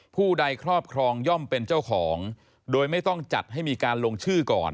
ผู้ใดครอบครองย่อมเป็นเจ้าของโดยไม่ต้องจัดให้มีการลงชื่อก่อน